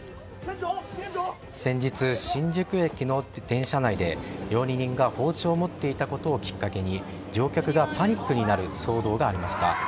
先日、新宿駅の電車内で料理人が包丁を持っていたことをきっかけに乗客がパニックになる騒動がありました。